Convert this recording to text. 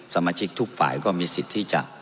สมาชิกทุกฝ่ายก็มีสิทธิ์ที่จะ